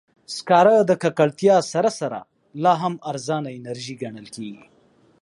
سکاره د ککړتیا سره سره، لا هم ارزانه انرژي ګڼل کېږي.